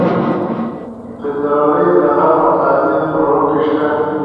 پکورې د غم او ښادۍ خوړو کې شته